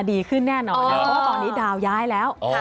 ดีขึ้นแน่นอนนะเพราะว่าตอนนี้ดาวย้ายแล้ว